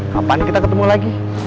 kapan kita ketemu lagi